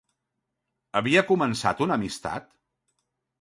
Havia començat una amistat?